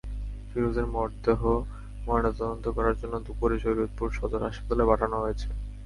ফিরোজের মরদেহ ময়নাতদন্ত করার জন্য দুপুরে শরীয়তপুর সদর হাসপাতালে পাঠানো হয়েছে।